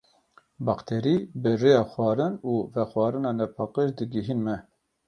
Bakterî bi rêya xwarin û vexwarina nepaqij digihîn me.